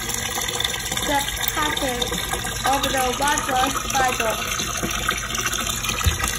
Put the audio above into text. It then passes over the Wadworth Viaduct.